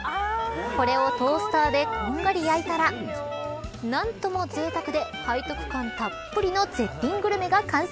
これをトースターでこんがり焼いたら何とも、ぜいたくで背徳感たっぷりの絶品グルメが完成。